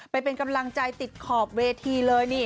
ไปเป็นกำลังใจติดขอบเวทีเลยนี่